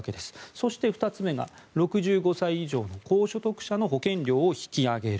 そして２つ目が６５歳以上の高所得者の保険料を引き上げる。